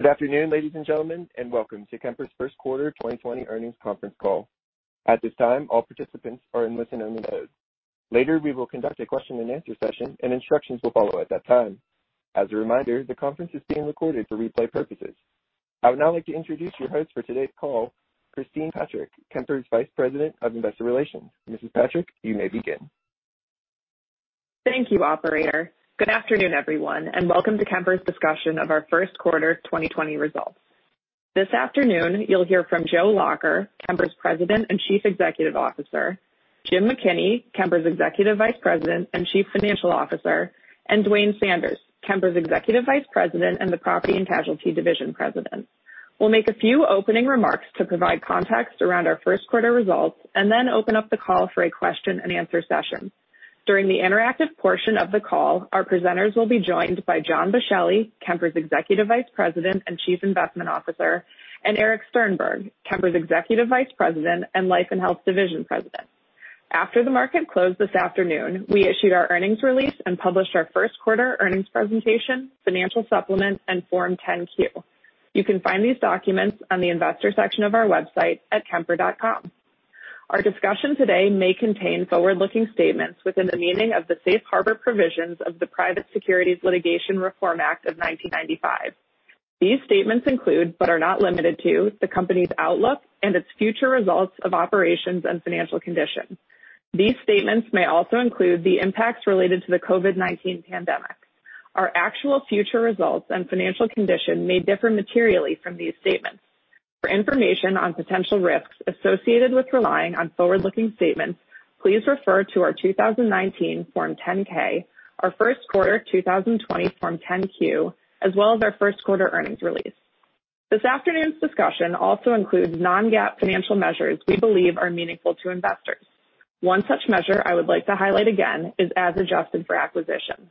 Good afternoon, ladies and gentlemen, welcome to Kemper's First Quarter 2020 Earnings Conference Call. At this time, all participants are in listen-only mode. Later, we will conduct a question and answer session, and instructions will follow at that time. As a reminder, the conference is being recorded for replay purposes. I would now like to introduce your host for today's call, Christine Patrick, Kemper's Vice President of Investor Relations. Mrs. Patrick, you may begin. Thank you, operator. Good afternoon, everyone, welcome to Kemper's discussion of our first quarter 2020 results. This afternoon, you'll hear from Joe Lacher, Kemper's President and Chief Executive Officer, Jim McKinney, Kemper's Executive Vice President and Chief Financial Officer, and Duane Sanders, Kemper's Executive Vice President and the Property & Casualty Division President. We'll make a few opening remarks to provide context around our first quarter results, then open up the call for a question and answer session. During the interactive portion of the call, our presenters will be joined by John Boschelli, Kemper's Executive Vice President and Chief Investment Officer, Erich Sternberg, Kemper's Executive Vice President and Life and Health Division President. After the market closed this afternoon, we issued our earnings release published our first quarter earnings presentation, financial supplement, and Form 10-Q. You can find these documents on the investor section of our website at kemper.com. Our discussion today may contain forward-looking statements within the meaning of the Safe Harbor provisions of the Private Securities Litigation Reform Act of 1995. These statements include, but are not limited to, the company's outlook and its future results of operations and financial condition. These statements may also include the impacts related to the COVID-19 pandemic. Our actual future results and financial condition may differ materially from these statements. For information on potential risks associated with relying on forward-looking statements, please refer to our 2019 Form 10-K, our first quarter 2020 Form 10-Q, as well as our first quarter earnings release. This afternoon's discussion also includes non-GAAP financial measures we believe are meaningful to investors. One such measure I would like to highlight again is as adjusted for acquisition.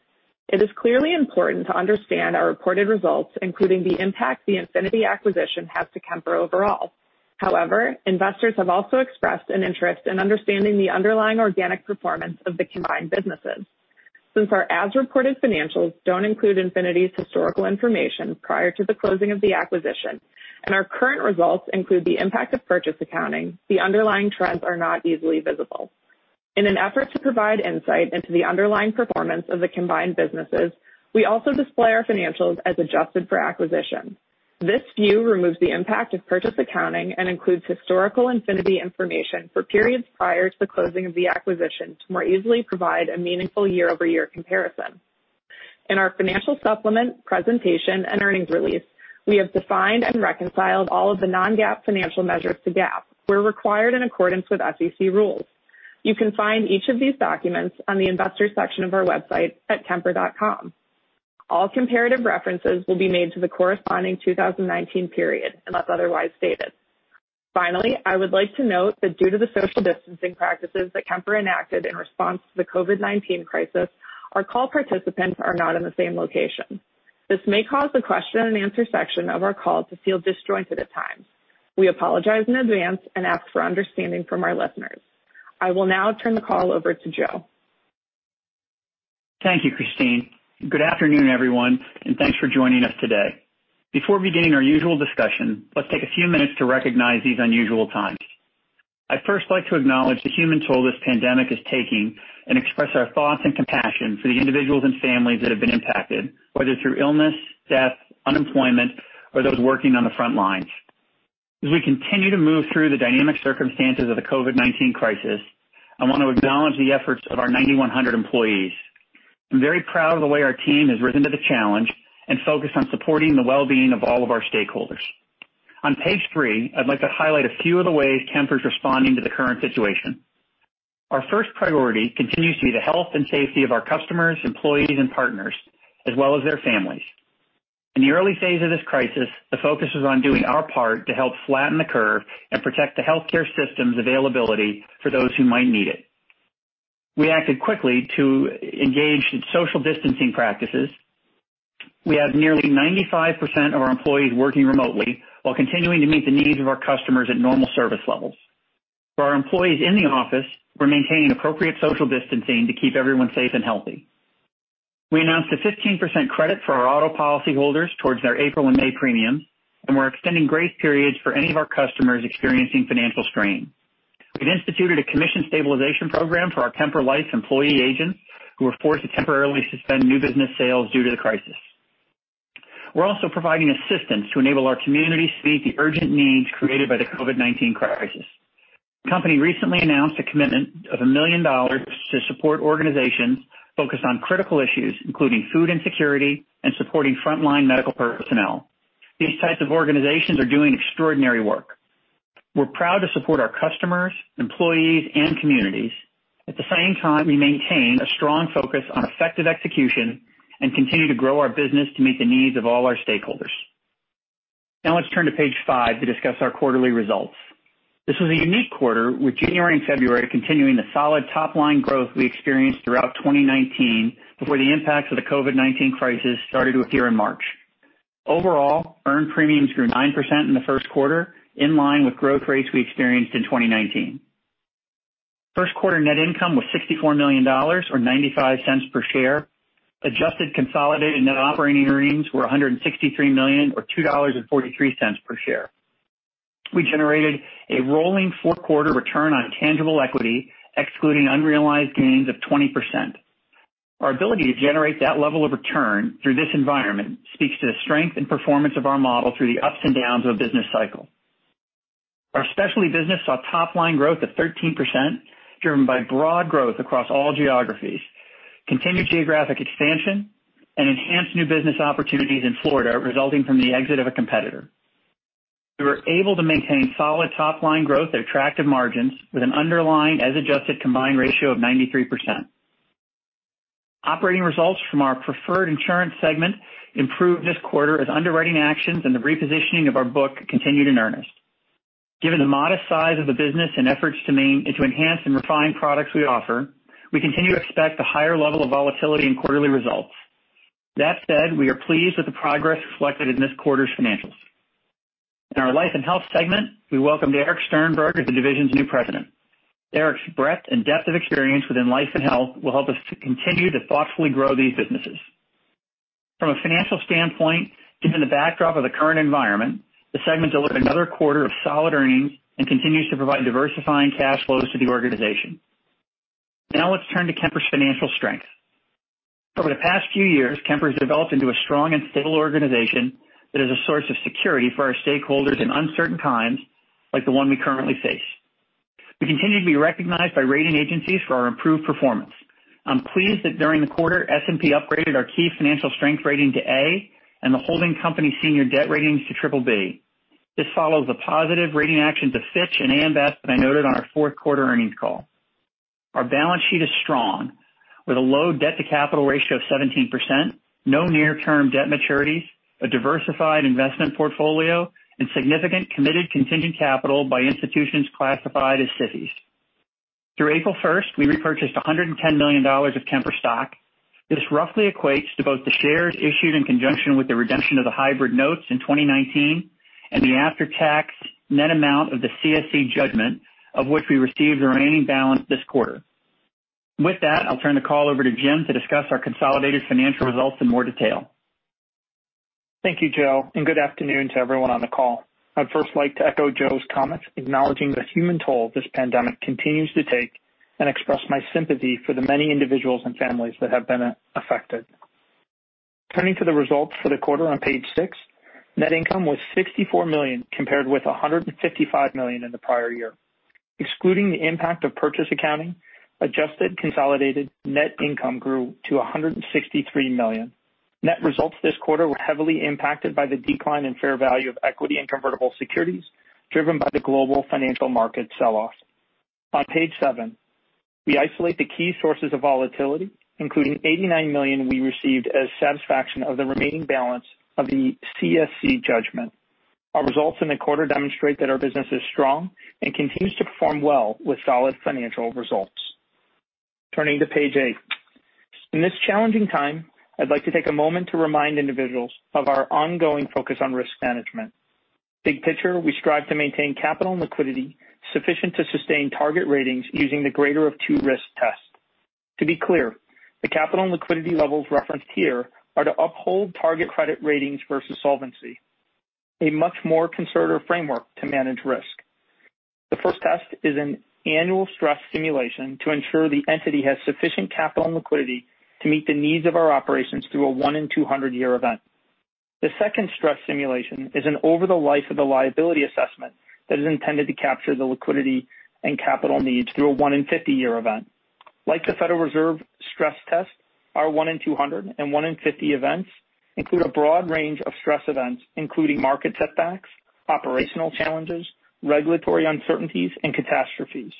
It is clearly important to understand our reported results, including the impact the Infinity acquisition has to Kemper overall. However, investors have also expressed an interest in understanding the underlying organic performance of the combined businesses. Since our as-reported financials don't include Infinity's historical information prior to the closing of the acquisition, and our current results include the impact of purchase accounting, the underlying trends are not easily visible. In an effort to provide insight into the underlying performance of the combined businesses, we also display our financials as adjusted for acquisition. This view removes the impact of purchase accounting and includes historical Infinity information for periods prior to the closing of the acquisition to more easily provide a meaningful year-over-year comparison. In our financial supplement presentation and earnings release, we have defined and reconciled all of the non-GAAP financial measures to GAAP where required in accordance with SEC rules. You can find each of these documents on the investor section of our website at kemper.com. All comparative references will be made to the corresponding 2019 period unless otherwise stated. Finally, I would like to note that due to the social distancing practices that Kemper enacted in response to the COVID-19 crisis, our call participants are not in the same location. This may cause the question and answer section of our call to feel disjointed at times. We apologize in advance and ask for understanding from our listeners. I will now turn the call over to Joe. Thank you, Christine. Good afternoon, everyone, and thanks for joining us today. Before we begin our usual discussion, let's take a few minutes to recognize these unusual times. I'd first like to acknowledge the human toll this pandemic is taking and express our thoughts and compassion for the individuals and families that have been impacted, whether through illness, death, unemployment, or those working on the front lines. As we continue to move through the dynamic circumstances of the COVID-19 crisis, I want to acknowledge the efforts of our 9,100 employees. I'm very proud of the way our team has risen to the challenge and focused on supporting the well-being of all of our stakeholders. On page 3, I'd like to highlight a few of the ways Kemper's responding to the current situation. Our first priority continues to be the health and safety of our customers, employees, and partners, as well as their families. In the early phase of this crisis, the focus was on doing our part to help flatten the curve and protect the healthcare system's availability for those who might need it. We acted quickly to engage in social distancing practices. We have nearly 95% of our employees working remotely while continuing to meet the needs of our customers at normal service levels. For our employees in the office, we're maintaining appropriate social distancing to keep everyone safe and healthy. We announced a 15% credit for our auto policyholders towards their April and May premiums, and we're extending grace periods for any of our customers experiencing financial strain. We've instituted a commission stabilization program for our Kemper Life employee agents who were forced to temporarily suspend new business sales due to the crisis. We're also providing assistance to enable our communities to meet the urgent needs created by the COVID-19 crisis. The company recently announced a commitment of $1 million to support organizations focused on critical issues, including food insecurity and supporting frontline medical personnel. These types of organizations are doing extraordinary work. We're proud to support our customers, employees, and communities. At the same time, we maintain a strong focus on effective execution and continue to grow our business to meet the needs of all our stakeholders. Now let's turn to page 5 to discuss our quarterly results. This was a unique quarter, with January and February continuing the solid top-line growth we experienced throughout 2019 before the impacts of the COVID-19 crisis started to appear in March. Overall, earned premiums grew 9% in the first quarter, in line with growth rates we experienced in 2019. First quarter net income was $64 million, or $0.95 per share. Adjusted consolidated net operating earnings were $163 million, or $2.43 per share. We generated a rolling four-quarter return on tangible equity, excluding unrealized gains of 20%. Our ability to generate that level of return through this environment speaks to the strength and performance of our model through the ups and downs of a business cycle. Our specialty business saw top-line growth of 13%, driven by broad growth across all geographies, continued geographic expansion, and enhanced new business opportunities in Florida resulting from the exit of a competitor. We were able to maintain solid top-line growth at attractive margins with an underlying as-adjusted combined ratio of 93%. Operating results from our Preferred Insurance segment improved this quarter as underwriting actions and the repositioning of our book continued in earnest. Given the modest size of the business and efforts to enhance and refine products we offer, we continue to expect a higher level of volatility in quarterly results. That said, we are pleased with the progress reflected in this quarter's financials. In our Life and Health segment, we welcome Erich Sternberg as the division's new President. Erich's breadth and depth of experience within Life and Health will help us to continue to thoughtfully grow these businesses. From a financial standpoint, given the backdrop of the current environment, the segment delivered another quarter of solid earnings and continues to provide diversifying cash flows to the organization. Now let's turn to Kemper's financial strength. Over the past few years, Kemper's developed into a strong and stable organization that is a source of security for our stakeholders in uncertain times like the one we currently face. We continue to be recognized by rating agencies for our improved performance. I'm pleased that during the quarter, S&P upgraded our key financial strength rating to A and the holding company senior debt ratings to BBB. This follows the positive rating action to Fitch and AM Best that I noted on our fourth quarter earnings call. Our balance sheet is strong, with a low debt-to-capital ratio of 17%, no near-term debt maturities, a diversified investment portfolio, and significant committed contingent capital by institutions classified as SIFIs. Through April 1st, we repurchased $110 million of Kemper stock. This roughly equates to both the shares issued in conjunction with the redemption of the hybrid notes in 2019 and the after-tax net amount of the CSC judgment, of which we received the remaining balance this quarter. With that, I'll turn the call over to Jim to discuss our consolidated financial results in more detail. Thank you, Joe, and good afternoon to everyone on the call. I'd first like to echo Joe's comments acknowledging the human toll this pandemic continues to take, and express my sympathy for the many individuals and families that have been affected. Turning to the results for the quarter on page 6, net income was $64 million, compared with $155 million in the prior year. Excluding the impact of purchase accounting, adjusted consolidated net income grew to $163 million. Net results this quarter were heavily impacted by the decline in fair value of equity and convertible securities, driven by the global financial market sell-off. On page 7, we isolate the key sources of volatility, including $89 million we received as satisfaction of the remaining balance of the CSC judgment. Our results in the quarter demonstrate that our business is strong and continues to perform well with solid financial results. Turning to page 8. In this challenging time, I'd like to take a moment to remind individuals of our ongoing focus on risk management. Big picture, we strive to maintain capital and liquidity sufficient to sustain target ratings using the greater of two risk tests. To be clear, the capital and liquidity levels referenced here are to uphold target credit ratings versus solvency, a much more conservative framework to manage risk. The first test is an annual stress simulation to ensure the entity has sufficient capital and liquidity to meet the needs of our operations through a 1 in 200-year event. The second stress simulation is an over the life of the liability assessment that is intended to capture the liquidity and capital needs through a 1 in 50-year event. Like the Federal Reserve stress test, our 1 in 200 and 1 in 50 events include a broad range of stress events, including market setbacks, operational challenges, regulatory uncertainties, and catastrophes.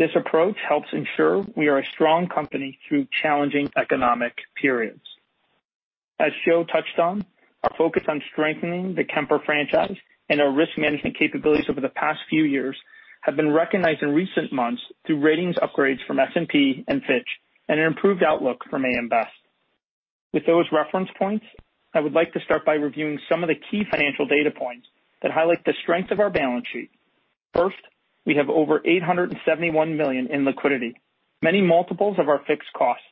This approach helps ensure we are a strong company through challenging economic periods. As Joe touched on, our focus on strengthening the Kemper franchise and our risk management capabilities over the past few years have been recognized in recent months through ratings upgrades from S&P and Fitch, and an improved outlook from AM Best. With those reference points, I would like to start by reviewing some of the key financial data points that highlight the strength of our balance sheet. First, we have over $871 million in liquidity, many multiples of our fixed costs.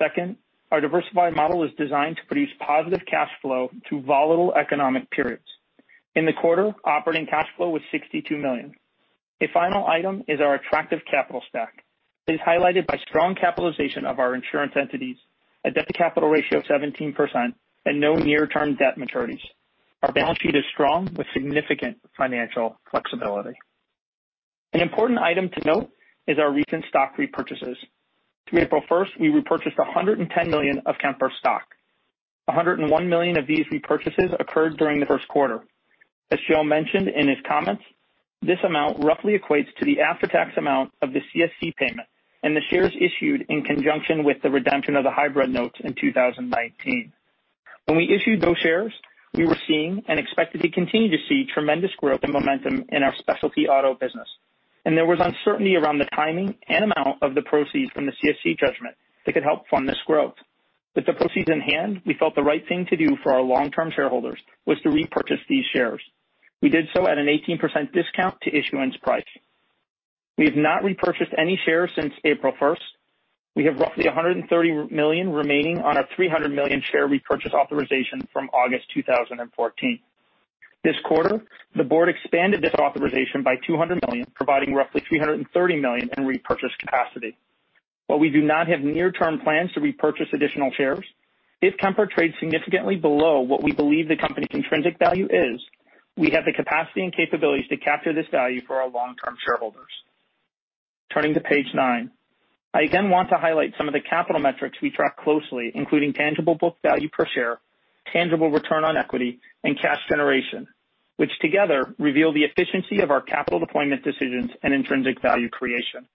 Second, our diversified model is designed to produce positive cash flow through volatile economic periods. In the quarter, operating cash flow was $62 million. A final item is our attractive capital stack. It is highlighted by strong capitalization of our insurance entities, a debt-to-capital ratio of 17%, and no near-term debt maturities. Our balance sheet is strong with significant financial flexibility. An important item to note is our recent stock repurchases. Through April 1st, we repurchased $110 million of Kemper stock. $101 million of these repurchases occurred during the first quarter. As Joe mentioned in his comments, this amount roughly equates to the after-tax amount of the CSC payment and the shares issued in conjunction with the redemption of the hybrid notes in 2019. When we issued those shares, we were seeing and expected to continue to see tremendous growth and momentum in our specialty auto business, and there was uncertainty around the timing and amount of the proceeds from the CSC judgment that could help fund this growth. With the proceeds in hand, we felt the right thing to do for our long-term shareholders was to repurchase these shares. We did so at an 18% discount to issuance price. We have not repurchased any shares since April 1st. We have roughly $130 million remaining on our $300 million share repurchase authorization from August 2014. This quarter, the board expanded this authorization by $200 million, providing roughly $330 million in repurchase capacity. While we do not have near-term plans to repurchase additional shares, if Kemper trades significantly below what we believe the company's intrinsic value is, we have the capacity and capabilities to capture this value for our long-term shareholders. Turning to page 9. I again want to highlight some of the capital metrics we track closely, including tangible book value per share, tangible return on equity, and cash generation, which together reveal the efficiency of our capital deployment decisions and intrinsic value creation.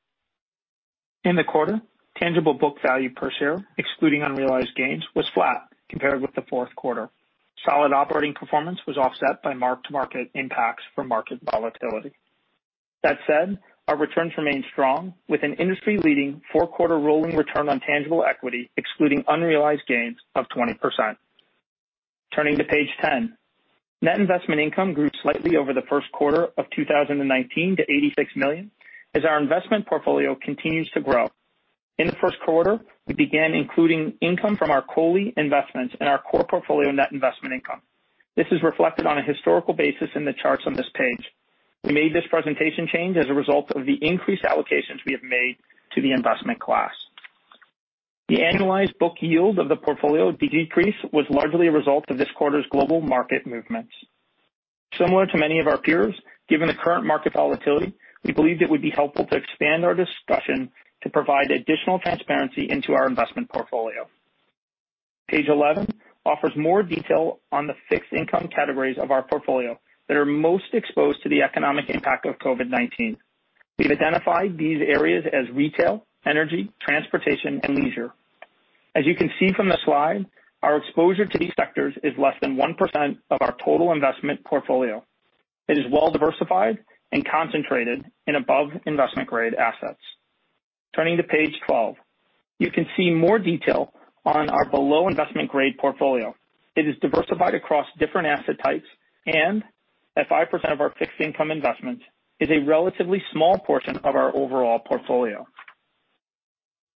In the quarter, tangible book value per share, excluding unrealized gains, was flat compared with the fourth quarter. Solid operating performance was offset by mark-to-market impacts from market volatility. That said, our returns remain strong with an industry-leading four-quarter rolling return on tangible equity, excluding unrealized gains of 20%. Turning to page 10. Net investment income grew slightly over the first quarter of 2019 to $86 million, as our investment portfolio continues to grow. In the first quarter, we began including income from our COLI investments in our core portfolio net investment income. This is reflected on a historical basis in the charts on this page. We made this presentation change as a result of the increased allocations we have made to the investment class. The annualized book yield of the portfolio decrease was largely a result of this quarter's global market movements. Similar to many of our peers, given the current market volatility, we believed it would be helpful to expand our discussion to provide additional transparency into our investment portfolio. Page 11 offers more detail on the fixed income categories of our portfolio that are most exposed to the economic impact of COVID-19. We've identified these areas as retail, energy, transportation, and leisure. As you can see from the slide, our exposure to these sectors is less than 1% of our total investment portfolio. It is well-diversified and concentrated in above-investment-grade assets. Turning to page 12. You can see more detail on our below investment-grade portfolio. It is diversified across different asset types and, at 5% of our fixed income investments, is a relatively small portion of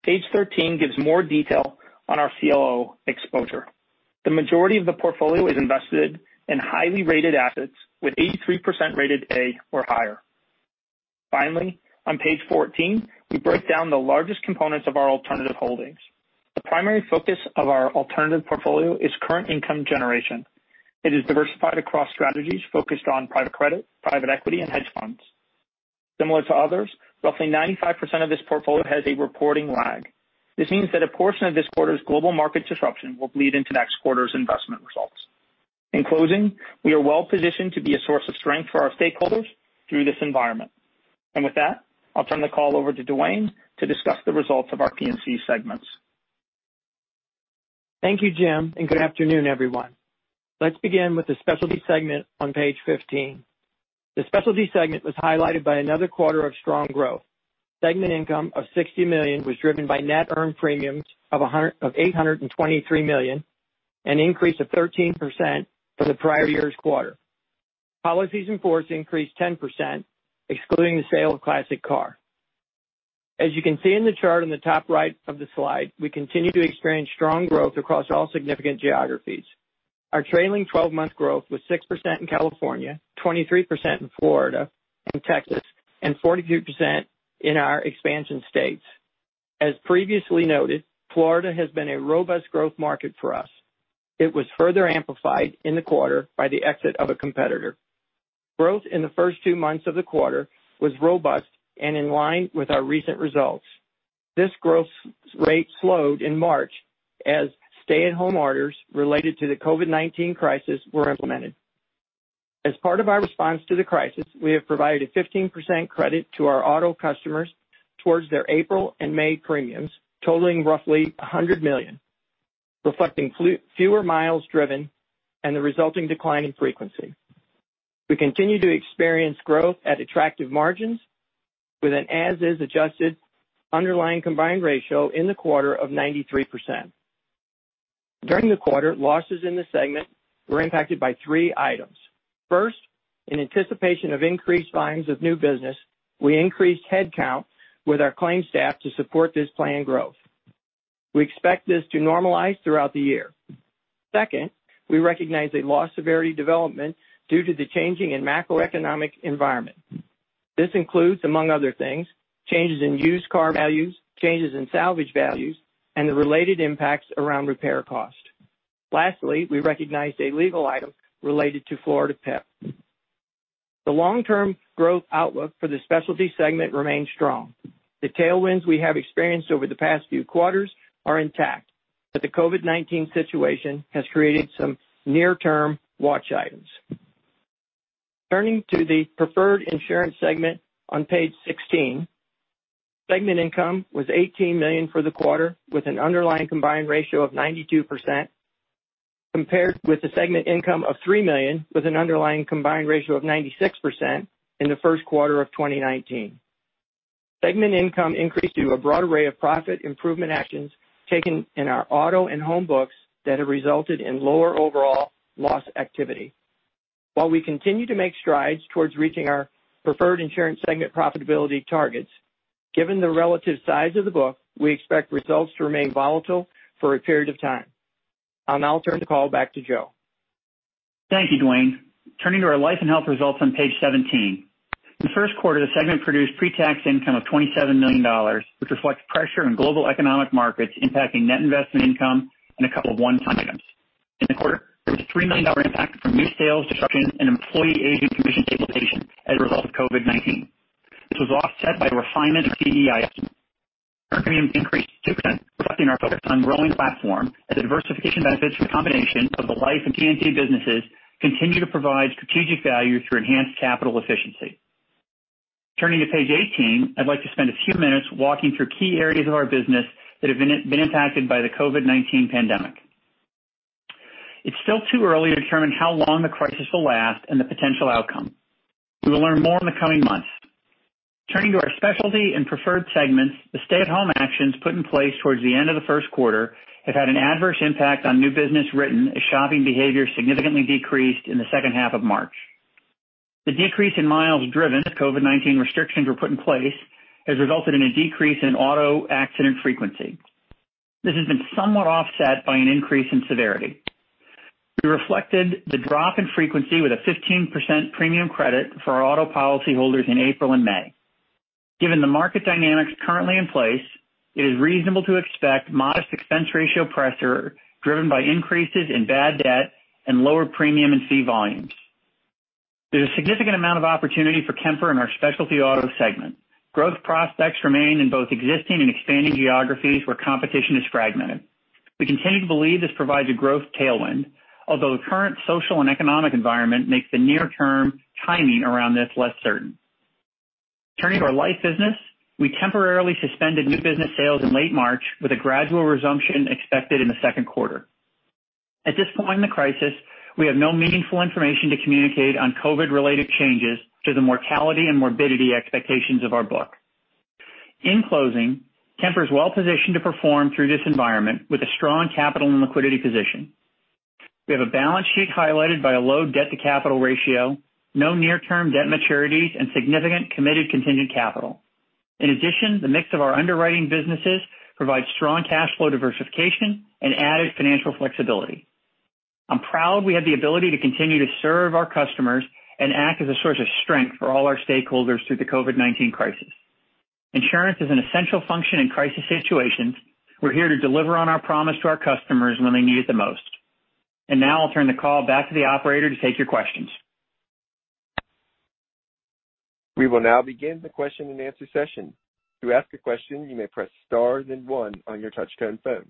our overall portfolio. Page 13 gives more detail on our CLO exposure. The majority of the portfolio is invested in highly rated assets with 83% rated A or higher. Finally, on page 14, we break down the largest components of our alternative holdings. The primary focus of our alternative portfolio is current income generation. It is diversified across strategies focused on private credit, private equity, and hedge funds. Similar to others, roughly 95% of this portfolio has a reporting lag. This means that a portion of this quarter's global market disruption will bleed into next quarter's investment results. In closing, we are well-positioned to be a source of strength for our stakeholders through this environment. With that, I'll turn the call over to Duane to discuss the results of our P&C segments. Thank you, Jim. Good afternoon, everyone. Let's begin with the Specialty segment on page 15. The Specialty segment was highlighted by another quarter of strong growth. Segment income of $60 million was driven by net earned premiums of $823 million, an increase of 13% from the prior year's quarter. Policies in force increased 10%, excluding the sale of Classic Car. As you can see in the chart on the top right of the slide, we continue to experience strong growth across all significant geographies. Our trailing 12-month growth was 6% in California, 23% in Florida and Texas, and 42% in our expansion states. As previously noted, Florida has been a robust growth market for us. It was further amplified in the quarter by the exit of a competitor. Growth in the first two months of the quarter was robust and in line with our recent results. This growth rate slowed in March as stay-at-home orders related to the COVID-19 crisis were implemented. As part of our response to the crisis, we have provided a 15% credit to our auto customers towards their April and May premiums, totaling roughly $100 million, reflecting fewer miles driven and the resulting decline in frequency. We continue to experience growth at attractive margins with an as adjusted underlying combined ratio in the quarter of 93%. During the quarter, losses in the segment were impacted by three items. First, in anticipation of increased volumes of new business, we increased headcount with our claim staff to support this planned growth. We expect this to normalize throughout the year. Second, we recognized a loss severity development due to the changing and macroeconomic environment. This includes, among other things, changes in used car values, changes in salvage values, and the related impacts around repair cost. Lastly, we recognized a legal item related to Florida PIP. The long-term growth outlook for the Specialty segment remains strong. The tailwinds we have experienced over the past few quarters are intact, but the COVID-19 situation has created some near-term watch items. Turning to the Preferred Insurance segment on page 16. Segment income was $18 million for the quarter with an underlying combined ratio of 92%, compared with the segment income of $3 million with an underlying combined ratio of 96% in the first quarter of 2019. Segment income increased due to a broad array of profit improvement actions taken in our auto and home books that have resulted in lower overall loss activity. While we continue to make strides towards reaching our Preferred Insurance segment profitability targets, given the relative size of the book, we expect results to remain volatile for a period of time. I'll now turn the call back to Joe. Thank you, Duane. Turning to our Life and Health results on page 17. In the first quarter, the segment produced pre-tax income of $27 million, which reflects pressure on global economic markets impacting net investment income and a couple of one-time items. In the quarter, there was a $3 million impact from new sales disruption and employee agent commission stabilization as a result of COVID-19. This was offset by the refinement of [CEIS]. Our premium increased 2%, reflecting our focus on growing the platform as the diversification benefits from the combination of the life and P&C businesses continue to provide strategic value through enhanced capital efficiency. Turning to page 18, I'd like to spend a few minutes walking through key areas of our business that have been impacted by the COVID-19 pandemic. It's still too early to determine how long the crisis will last and the potential outcome. We will learn more in the coming months. Turning to our Specialty and Preferred segments, the stay-at-home actions put in place towards the end of the first quarter have had an adverse impact on new business written as shopping behavior significantly decreased in the second half of March. The decrease in miles driven as COVID-19 restrictions were put in place has resulted in a decrease in auto accident frequency. This has been somewhat offset by an increase in severity. We reflected the drop in frequency with a 15% premium credit for our auto policyholders in April and May. Given the market dynamics currently in place, it is reasonable to expect modest expense ratio pressure driven by increases in bad debt and lower premium and fee volumes. There's a significant amount of opportunity for Kemper in our Specialty Auto segment. Growth prospects remain in both existing and expanding geographies where competition is fragmented. We continue to believe this provides a growth tailwind, although the current social and economic environment makes the near-term timing around this less certain. Turning to our Life business, we temporarily suspended new business sales in late March with a gradual resumption expected in the second quarter. At this point in the crisis, we have no meaningful information to communicate on COVID-related changes to the mortality and morbidity expectations of our book. In closing, Kemper is well-positioned to perform through this environment with a strong capital and liquidity position. We have a balance sheet highlighted by a low debt-to-capital ratio, no near-term debt maturities, and significant committed contingent capital. In addition, the mix of our underwriting businesses provides strong cash flow diversification and added financial flexibility. I'm proud we have the ability to continue to serve our customers and act as a source of strength for all our stakeholders through the COVID-19 crisis. Insurance is an essential function in crisis situations. We're here to deliver on our promise to our customers when they need it the most. Now I'll turn the call back to the operator to take your questions. We will now begin the question-and-answer session. To ask a question, you may press star then one on your touchtone phone.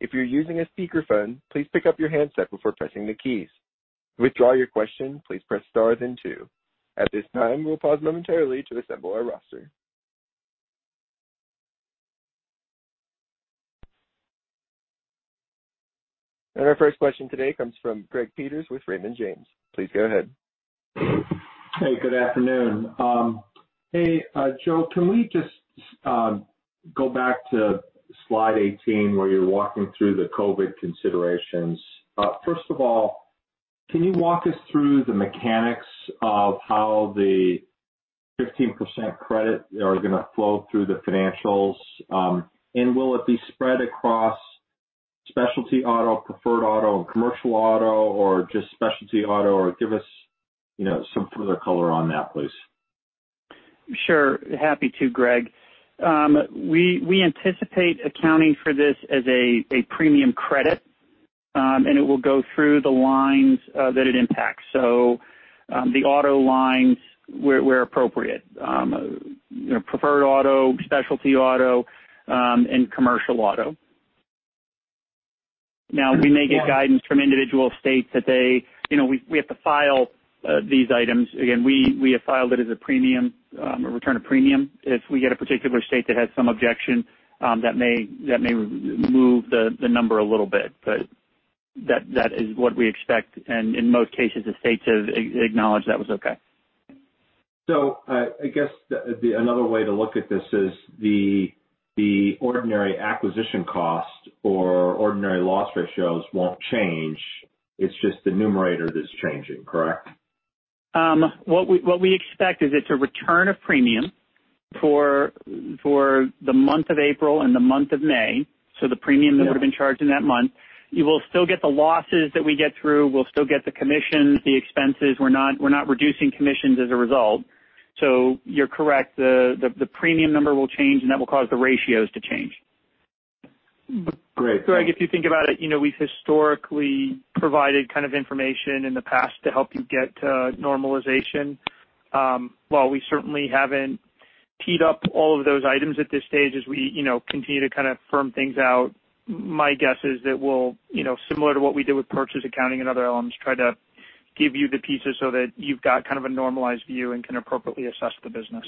If you're using a speakerphone, please pick up your handset before pressing the keys. To withdraw your question, please press star then two. At this time, we'll pause momentarily to assemble our roster. Our first question today comes from Greg Peters with Raymond James. Please go ahead. Hey, good afternoon. Hey, Joe, can we just go back to slide 18 where you're walking through the COVID considerations? First of all, can you walk us through the mechanics of how the 15% credit are going to flow through the financials? Will it be spread across specialty auto, preferred auto, and commercial auto, or just specialty auto? Or give us some further color on that, please. Sure. Happy to, Greg. We anticipate accounting for this as a premium credit, it will go through the lines that it impacts. The auto lines where appropriate. Preferred auto, specialty auto, and commercial auto. We may get guidance from individual states that we have to file these items. We have filed it as a return of premium. If we get a particular state that has some objection, that may move the number a little bit, but that is what we expect. In most cases, the states have acknowledged that was okay. I guess another way to look at this is the ordinary acquisition cost or ordinary loss ratios won't change. It's just the numerator that's changing, correct? What we expect is it's a return of premium for the month of April and the month of May, so the premium that would've been charged in that month. You will still get the losses that we get through. We'll still get the commissions, the expenses. We're not reducing commissions as a result. You're correct, the premium number will change, and that will cause the ratios to change. Great, thanks. Greg, if you think about it, we've historically provided kind of information in the past to help you get to normalization. While we certainly haven't teed up all of those items at this stage, as we continue to kind of firm things out, my guess is that we'll, similar to what we did with purchase accounting and other elements, try to give you the pieces so that you've got kind of a normalized view and can appropriately assess the business.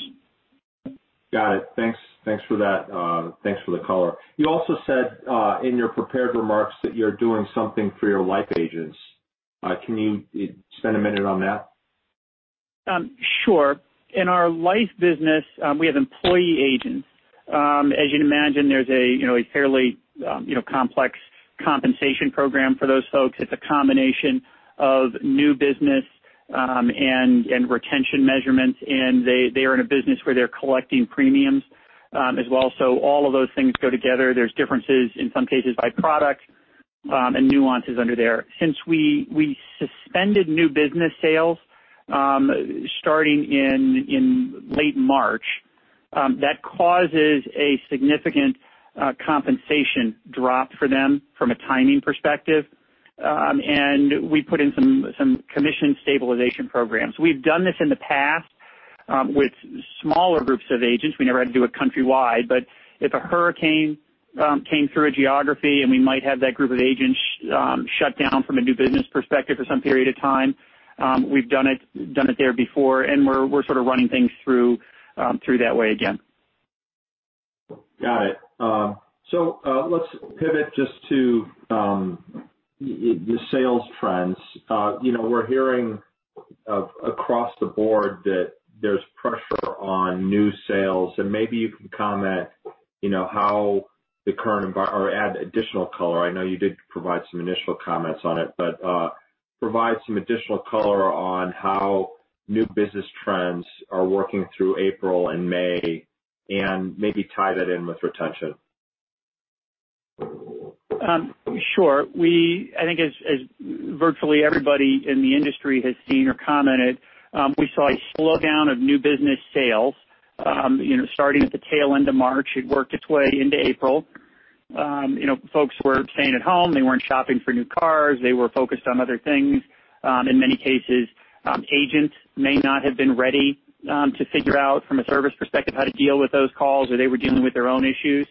Got it. Thanks. Thanks for that. Thanks for the color. You also said, in your prepared remarks, that you're doing something for your Life agents. Can you spend a minute on that? Sure. In our Life business, we have employee agents. As you'd imagine, there's a fairly complex compensation program for those folks. It's a combination of new business and retention measurements, and they are in a business where they're collecting premiums as well. All of those things go together. There's differences, in some cases, by product and nuances under there. Since we suspended new business sales starting in late March, that causes a significant compensation drop for them from a timing perspective. We put in some commission stabilization programs. We've done this in the past with smaller groups of agents. We never had to do it countrywide. If a hurricane came through a geography, we might have that group of agents shut down from a new business perspective for some period of time. We've done it there before. We're sort of running things through that way again. Got it. Let's pivot just to the sales trends. We're hearing across the board that there's pressure on new sales, and maybe you can comment or add additional color. I know you did provide some initial comments on it, but provide some additional color on how new business trends are working through April and May, and maybe tie that in with retention. Sure. I think as virtually everybody in the industry has seen or commented, we saw a slowdown of new business sales starting at the tail end of March. It worked its way into April. Folks were staying at home. They weren't shopping for new cars. They were focused on other things. In many cases, agents may not have been ready to figure out, from a service perspective, how to deal with those calls, or they were dealing with their own issues.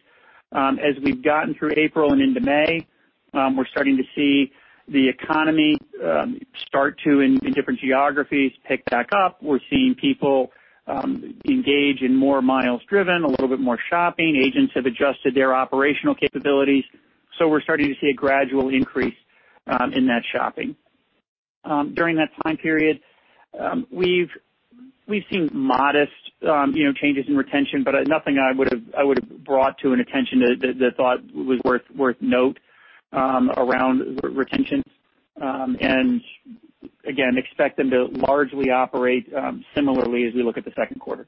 As we've gotten through April and into May, we're starting to see the economy start to, in different geographies, pick back up. We're seeing people engage in more miles driven, a little bit more shopping. Agents have adjusted their operational capabilities, so we're starting to see a gradual increase in that shopping. During that time period, we've seen modest changes in retention, but nothing I would've brought to an attention that I thought was worth note around retention. Again, expect them to largely operate similarly as we look at the second quarter.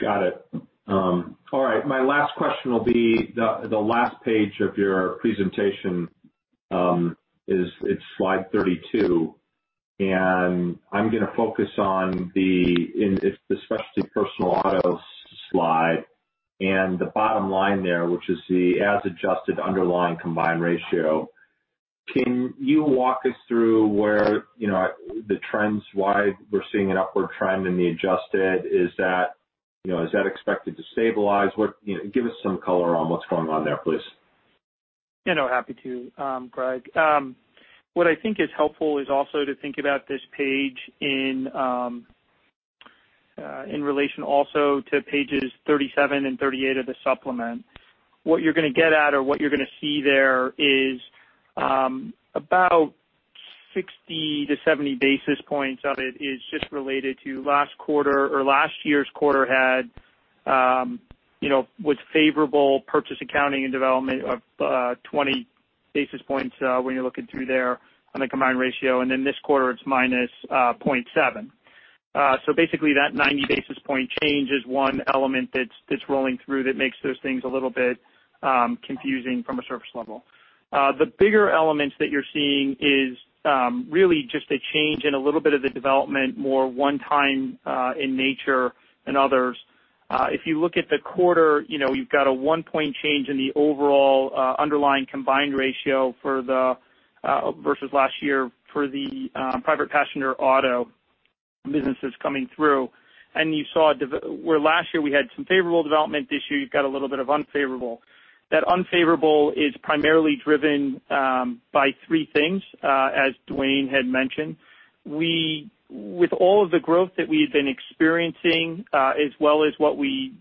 Got it. All right. My last question will be the last page of your presentation is slide 32. I'm going to focus on the specialty personal auto slide and the bottom line there, which is the as-adjusted underlying combined ratio. Can you walk us through where the trends, why we're seeing an upward trend in the adjusted? Is that expected to stabilize? Give us some color on what's going on there, please. Happy to, Greg. What I think is helpful is also to think about this page in relation also to pages 37 and 38 of the supplement. What you're going to get at or what you're going to see there is about 60-70 basis points of it is just related to last quarter or last year's quarter had with favorable purchase accounting and development of 20 basis points when you're looking through there on the combined ratio, and then this quarter, it's -0.7. Basically, that 90-basis-point change is one element that's rolling through that makes those things a little bit confusing from a surface level. The bigger elements that you're seeing is really just a change in a little bit of the development, more one-time in nature than others. If you look at the quarter, you've got a one-point change in the overall underlying combined ratio versus last year for the private passenger auto businesses coming through. You saw where last year we had some favorable development, this year you've got a little bit of unfavorable. That unfavorable is primarily driven by three things as Duane had mentioned. With all of the growth that we had been experiencing as well as what we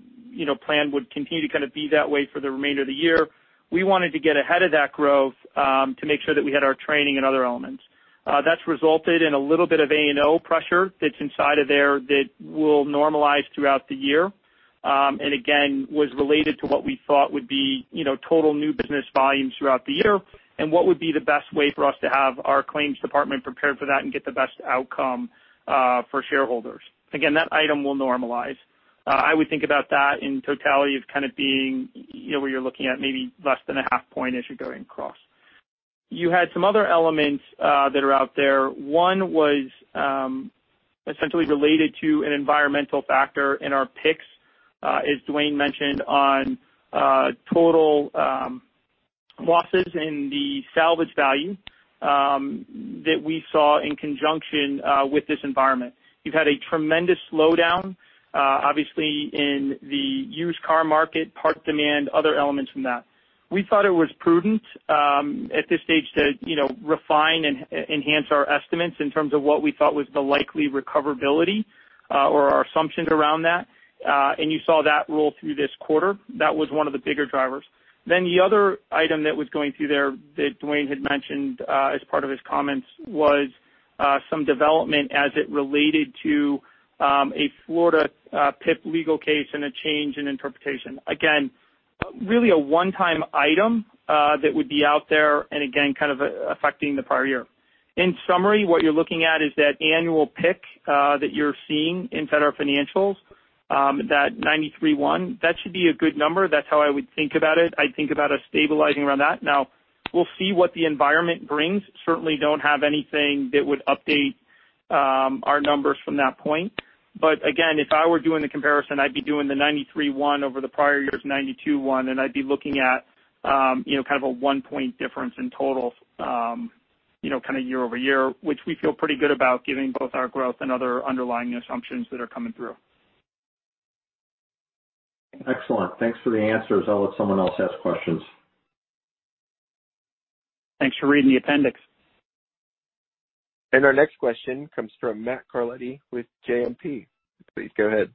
planned would continue to kind of be that way for the remainder of the year, we wanted to get ahead of that growth to make sure that we had our training and other elements. That's resulted in a little bit of A&O pressure that's inside of there that will normalize throughout the year. Again, was related to what we thought would be total new business volumes throughout the year and what would be the best way for us to have our claims department prepared for that and get the best outcome for shareholders. Again, that item will normalize. I would think about that in totality of kind of being where you're looking at maybe less than a half point as you're going across. You had some other elements that are out there. One was essentially related to an environmental factor in our PIP, as Duane mentioned, on total losses in the salvage value that we saw in conjunction with this environment. You've had a tremendous slowdown, obviously, in the used car market, part demand, other elements from that. We thought it was prudent at this stage to refine and enhance our estimates in terms of what we thought was the likely recoverability or our assumptions around that. You saw that roll through this quarter. That was one of the bigger drivers. The other item that was going through there that Duane had mentioned as part of his comments was Some development as it related to a Florida PIP legal case and a change in interpretation. Really a one-time item that would be out there and again, kind of affecting the prior year. In summary, what you're looking at is that annual pick that you're seeing in FedAr financials, that 93.1, that should be a good number. That's how I would think about it. I'd think about us stabilizing around that. We'll see what the environment brings. Certainly don't have anything that would update our numbers from that point. If I were doing the comparison, I'd be doing the 93.1 over the prior year's 92.1, and I'd be looking at kind of a one-point difference in total year-over-year, which we feel pretty good about given both our growth and other underlying assumptions that are coming through. Excellent. Thanks for the answers. I'll let someone else ask questions. Thanks for reading the appendix. Our next question comes from Matt Carletti with JMP. Please go ahead.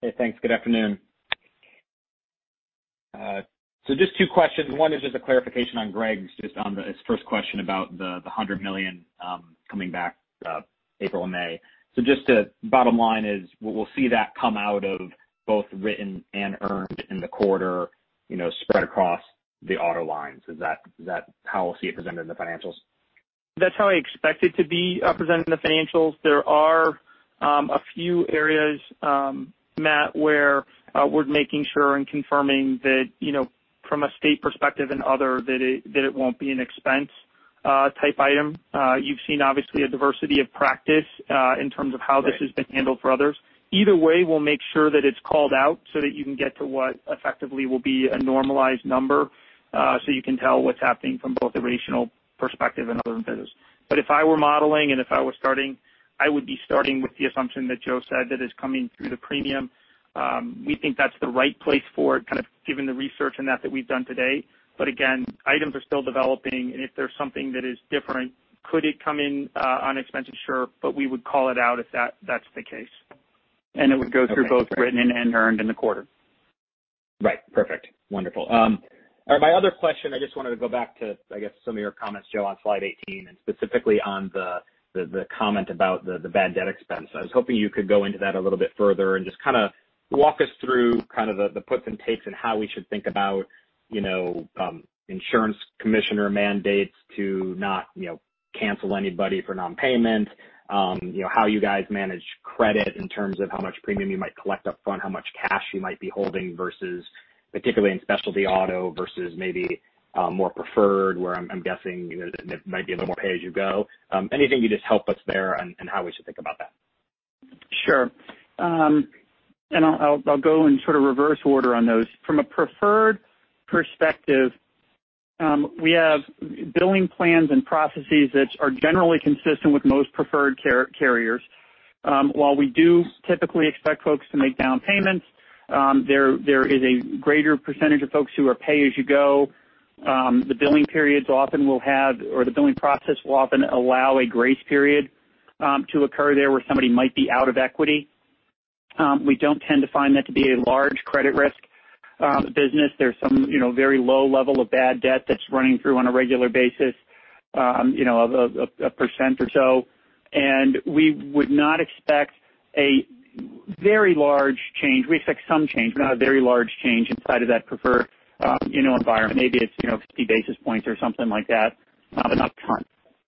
Hey, thanks. Good afternoon. Just two questions. One is just a clarification on Greg's, just on his first question about the $100 million coming back April or May. Just the bottom line is, we'll see that come out of both written and earned in the quarter spread across the auto lines. Is that how we'll see it presented in the financials? That's how I expect it to be presented in the financials. There are a few areas, Matt, where we're making sure and confirming that from a state perspective and other, that it won't be an expense-type item. You've seen, obviously, a diversity of practice in terms of how this has been handled for others. Either way, we'll make sure that it's called out so that you can get to what effectively will be a normalized number, so you can tell what's happening from both a rational perspective and other vendors. If I were modeling and if I were starting, I would be starting with the assumption that Joe said, that is coming through the premium. We think that's the right place for it, kind of given the research and that we've done to date. Again, items are still developing, and if there's something that is different, could it come in unexpensed? Sure. We would call it out if that's the case. It would go through both written and earned in the quarter. Right. Perfect. Wonderful. All right. My other question, I just wanted to go back to, I guess, some of your comments, Joe, on slide 18, and specifically on the comment about the bad debt expense. I was hoping you could go into that a little bit further and just walk us through the puts and takes in how we should think about insurance commissioner mandates to not cancel anybody for non-payment. How you guys manage credit in terms of how much premium you might collect up front, how much cash you might be holding versus particularly in Specialty Auto versus maybe more Preferred, where I'm guessing there might be a little more pay-as-you-go. Anything you just help us there on how we should think about that? Sure. I'll go in sort of reverse order on those. From a Preferred Auto perspective, we have billing plans and processes that are generally consistent with most preferred carriers. While we do typically expect folks to make down payments, there is a greater percentage of folks who are pay-as-you-go. The billing periods often will have, or the billing process will often allow a grace period to occur there where somebody might be out of equity. We don't tend to find that to be a large credit risk business. There's some very low level of bad debt that's running through on a regular basis, a percent or so. We would not expect a very large change. We expect some change, but not a very large change inside of that preferred environment. Maybe it's 50 basis points or something like that, but not a ton.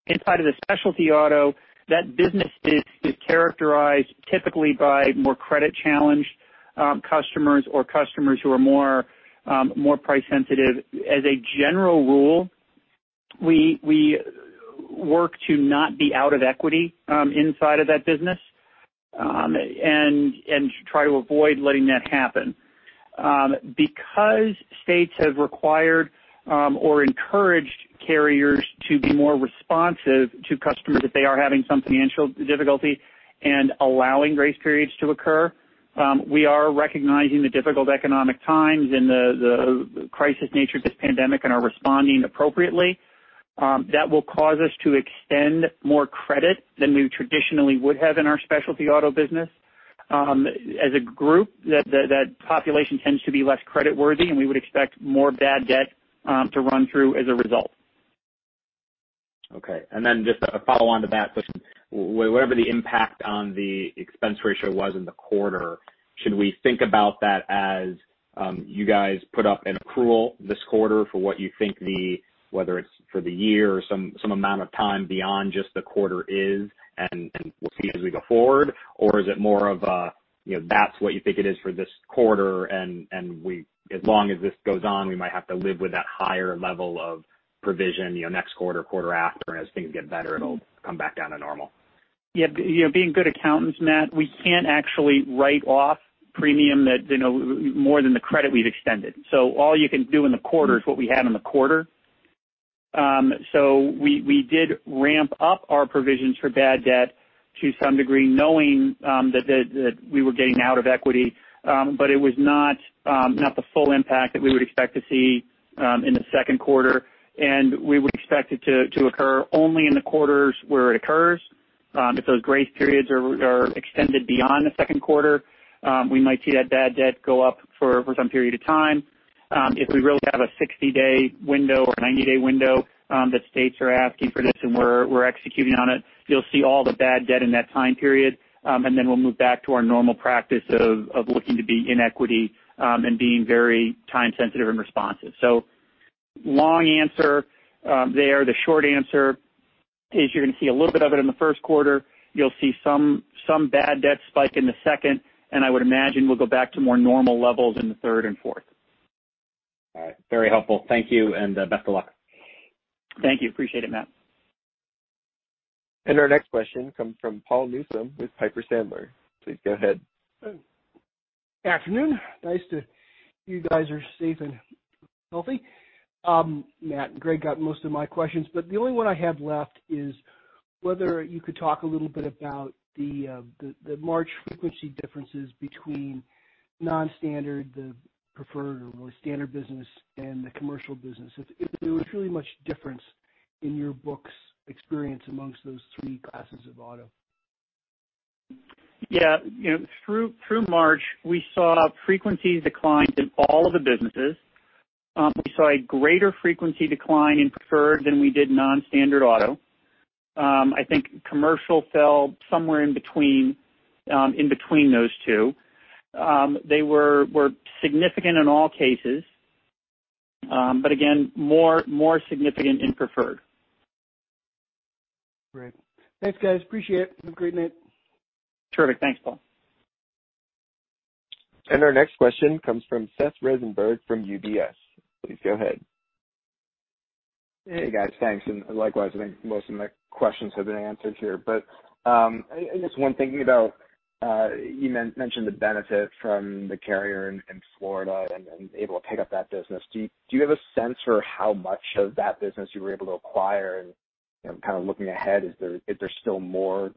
Inside of the Specialty Auto, that business is characterized typically by more credit-challenged customers or customers who are more price sensitive. As a general rule, we work to not be out of equity inside of that business, and try to avoid letting that happen. Because states have required or encouraged carriers to be more responsive to customers if they are having some financial difficulty and allowing grace periods to occur, we are recognizing the difficult economic times and the crisis nature of this pandemic and are responding appropriately. That will cause us to extend more credit than we traditionally would have in our Specialty Auto business. As a group, that population tends to be less creditworthy, and we would expect more bad debt to run through as a result. Okay, just a follow-on to that question. Whatever the impact on the expense ratio was in the quarter, should we think about that as you guys put up an accrual this quarter for what you think the, whether it's for the year or some amount of time beyond just the quarter is, and we'll see as we go forward? Or is it more of a, that's what you think it is for this quarter and as long as this goes on, we might have to live with that higher level of provision next quarter after, and as things get better, it'll come back down to normal? Yeah. Being good accountants, Matt, we can't actually write off premium that more than the credit we've extended. All you can do in the quarter is what we had in the quarter. We did ramp up our provisions for bad debt to some degree, knowing that we were getting out of equity. It was not the full impact that we would expect to see in the second quarter, and we would expect it to occur only in the quarters where it occurs. If those grace periods are extended beyond the second quarter, we might see that bad debt go up for some period of time. If we really have a 60-day window or a 90-day window that states are asking for this and we're executing on it, you'll see all the bad debt in that time period, and then we'll move back to our normal practice of looking to be in equity and being very time sensitive and responsive. Long answer there. The short answer is you're going to see a little bit of it in the first quarter. You'll see some bad debt spike in the second, and I would imagine we'll go back to more normal levels in the third and fourth. All right. Very helpful. Thank you, and best of luck. Thank you. Appreciate it, Matt. Our next question comes from Paul Newsome with Piper Sandler. Please go ahead. Good afternoon. Nice to hear you guys are safe and healthy. Matt and Greg got most of my questions. The only one I have left is whether you could talk a little bit about the March frequency differences between non-standard, the preferred or standard business, and the commercial business. If there was really much difference in your book's experience amongst those three classes of auto. Yeah. Through March, we saw frequencies decline in all of the businesses. We saw a greater frequency decline in preferred than we did non-standard auto. I think commercial fell somewhere in between those two. They were significant in all cases. Again, more significant in preferred. Great. Thanks, guys. Appreciate it. Have a great night. Terrific. Thanks, Paul. Our next question comes from Seth Rosenberg from UBS. Please go ahead. Hey, guys. Thanks. Likewise, I think most of my questions have been answered here. Just one, thinking about, you mentioned the benefit from the carrier in Florida and able to pick up that business. Do you have a sense for how much of that business you were able to acquire? Kind of looking ahead, is there still more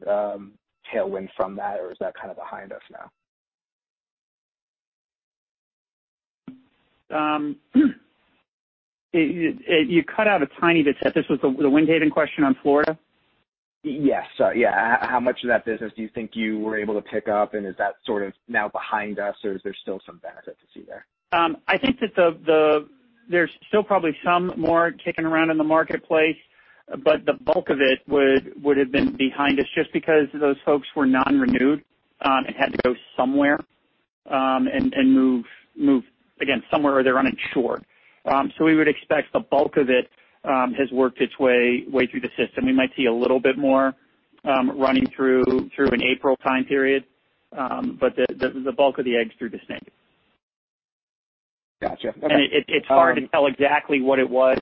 tailwind from that, or is that kind of behind us now? You cut out a tiny bit. This was the Windhaven question on Florida? Yes. Yeah. How much of that business do you think you were able to pick up, and is that sort of now behind us, or is there still some benefit to see there? I think that there's still probably some more kicking around in the marketplace, but the bulk of it would've been behind us just because those folks were non-renewed and had to go somewhere and move, again, somewhere where they're uninsured. We would expect the bulk of it has worked its way through the system. We might see a little bit more running through an April time period. The bulk of the egg's through the snake. Got you. It's hard to tell exactly what it was.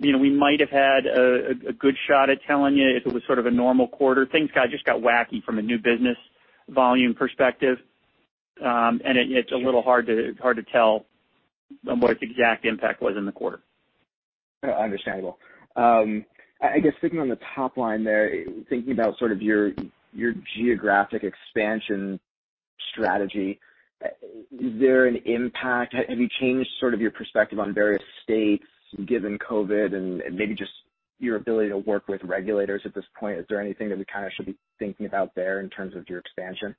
We might have had a good shot at telling you if it was sort of a normal quarter. Things just got wacky from a new business volume perspective. It's a little hard to tell what its exact impact was in the quarter. No, understandable. I guess sticking on the top line there, thinking about sort of your geographic expansion strategy, is there an impact? Have you changed sort of your perspective on various states given COVID and maybe just your ability to work with regulators at this point? Is there anything that we kind of should be thinking about there in terms of your expansion?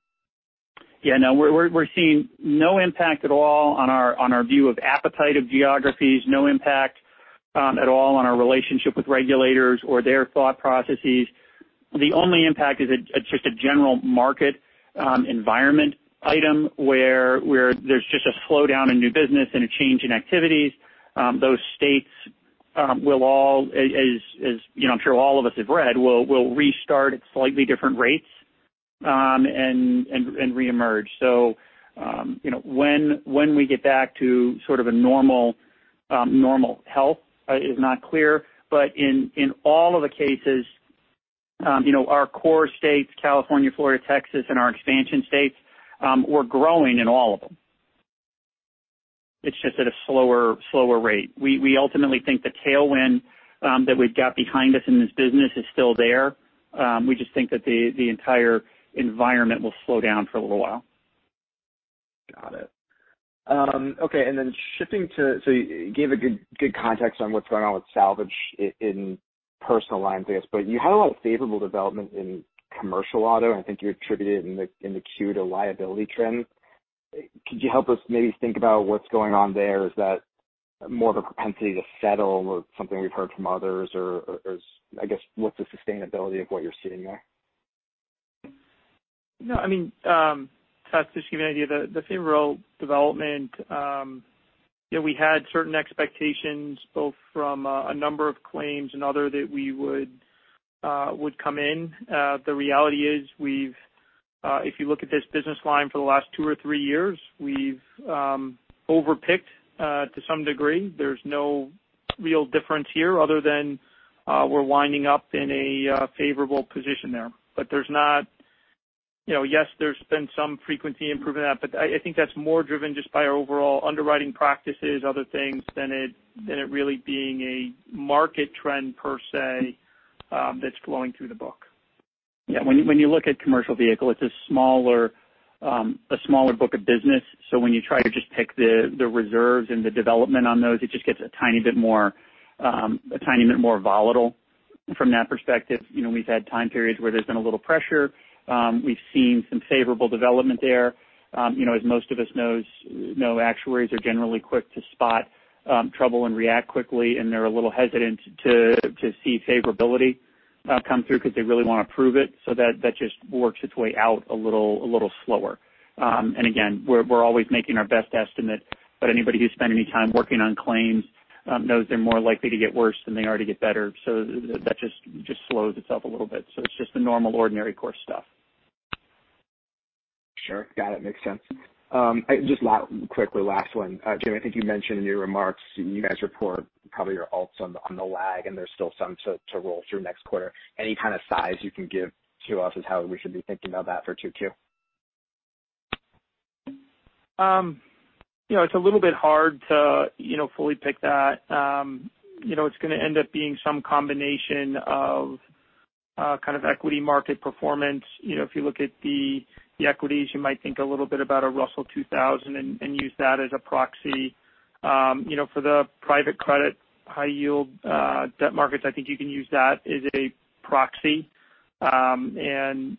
No, we're seeing no impact at all on our view of appetite of geographies. No impact at all on our relationship with regulators or their thought processes. The only impact is just a general market environment item where there's just a slowdown in new business and a change in activities. Those states will all, as I'm sure all of us have read, will restart at slightly different rates and reemerge. When we get back to sort of a normal health is not clear. In all of the cases, our core states, California, Florida, Texas, and our expansion states, we're growing in all of them. It's just at a slower rate. We ultimately think the tailwind that we've got behind us in this business is still there. We just think that the entire environment will slow down for a little while. Got it. Okay, shifting to, you gave a good context on what's going on with salvage in personal lines, I guess. You had a favorable development in commercial auto, and I think you attributed it in the Q to liability trends. Could you help us maybe think about what's going on there? Is that more of a propensity to settle or something we've heard from others? I guess, what's the sustainability of what you're seeing there? No, I mean, Seth, just to give you an idea, the favorable development, we had certain expectations both from a number of claims and other that would come in. The reality is, if you look at this business line for the last two or three years, we've over-picked to some degree. There's no real difference here other than we're winding up in a favorable position there. Yes, there's been some frequency improvement, but I think that's more driven just by our overall underwriting practices, other things, than it really being a market trend per se that's flowing through the book. Yeah. When you look at commercial auto, it's a smaller A smaller book of business. When you try to just pick the reserves and the development on those, it just gets a tiny bit more volatile from that perspective. We've had time periods where there's been a little pressure. We've seen some favorable development there. As most of us know, actuaries are generally quick to spot trouble and react quickly, and they're a little hesitant to see favorability come through because they really want to prove it, that just works its way out a little slower. Again, we're always making our best estimate, but anybody who's spent any time working on claims knows they're more likely to get worse than they are to get better. That just slows itself a little bit. It's just the normal, ordinary course stuff. Sure. Got it. Makes sense. Just quickly, last one. Jim, I think you mentioned in your remarks, you guys report probably your ALTs on the lag, and there's still some to roll through next quarter. Any kind of size you can give to us as how we should be thinking about that for Q2? It's a little bit hard to fully pick that. It's going to end up being some combination of equity market performance. If you look at the equities, you might think a little bit about a Russell 2000 and use that as a proxy. For the private credit high yield debt markets, I think you can use that as a proxy. That'll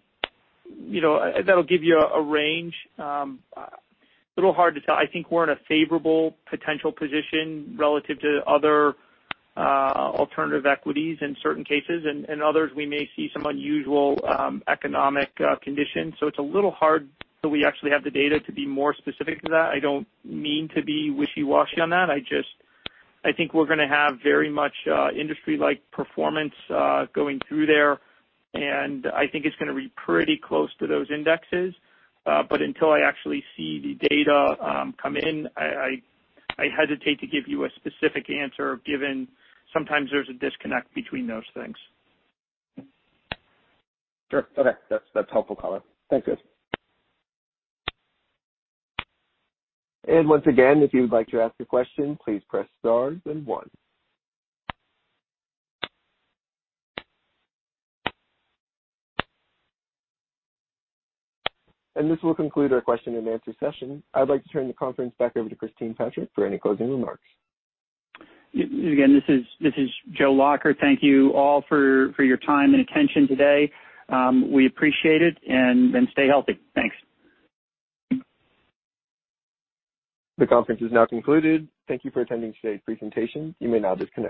give you a range. A little hard to tell. I think we're in a favorable potential position relative to other alternative equities in certain cases, and others, we may see some unusual economic conditions. It's a little hard till we actually have the data to be more specific to that. I don't mean to be wishy-washy on that. I think we're going to have very much industry-like performance going through there, and I think it's going to be pretty close to those indexes. Until I actually see the data come in, I hesitate to give you a specific answer, given sometimes there's a disconnect between those things. Sure. Okay. That's a helpful comment. Thanks. Once again, if you would like to ask a question, please press star then one. This will conclude our question and answer session. I'd like to turn the conference back over to Christine Patrick for any closing remarks. Again, this is Joe Lacher. Thank you all for your time and attention today. We appreciate it, and stay healthy. Thanks. The conference is now concluded. Thank you for attending today's presentation. You may now disconnect.